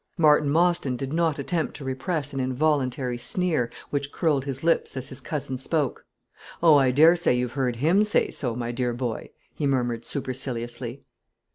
Martin Mostyn did not attempt to repress an involuntary sneer, which curled his lips as his cousin spoke. "Oh, I dare say you've heard him say so, my dear boy," he murmured superciliously.